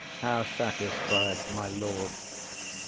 How satisfied, my lord?